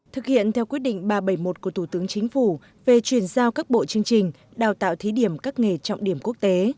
thực hiện theo quyết định ba trăm bảy mươi một của thủ tướng chính phủ về chuyển giao các bộ chương trình đào tạo thí điểm các nghề trọng điểm quốc tế